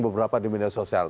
beberapa di media sosial